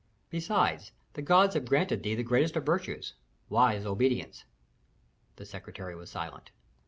"Besides, the gods have granted thee the greatest of virtues, wise obedience." The secretary was silent.